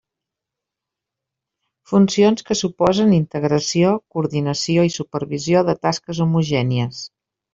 Funcions que suposen integració, coordinació i supervisió de tasques homogènies.